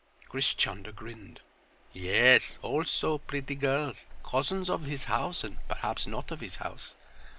Grish Chunder grinned. "Yes—also pretty girls—cousins of his house, and perhaps not of his house.